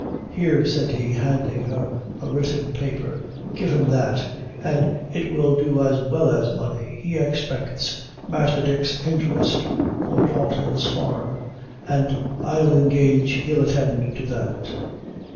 "Here," said he, handing her a written paper, "give him that, an' it will do as well as money. He expects Master Dick's interest for Dalton's farm, an' I'll engage he'll attend to that."